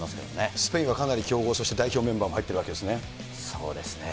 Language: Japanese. スペインはかなり強豪、そして代表メンバーも入っているわけですね。